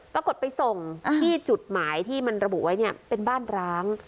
ปรากฏไปส่งที่จุดหมายที่มันระบุไว้เนี่ยเป็นบ้านร้าง